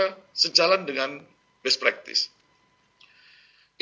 dan berjalan dengan best practice